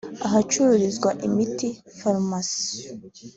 ahacururizwa imiti (Pharmacy)